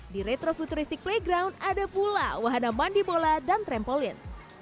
di retro futuristik playground ada pula wahana mandi bola dan trampolin